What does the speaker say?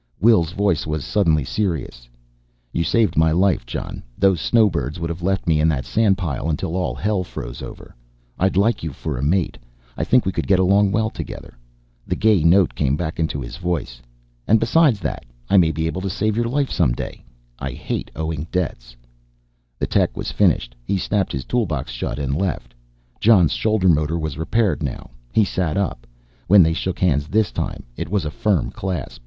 Wil's voice was suddenly serious. "You saved my life, Jon those snowbirds would have left me in that sandpile until all hell froze over. I'd like you for a mate, I think we could get along well together." The gay note came back into his voice, "And besides that, I may be able to save your life some day I hate owing debts." The tech was finished, he snapped his tool box shut and left. Jon's shoulder motor was repaired now, he sat up. When they shook hands this time it was a firm clasp.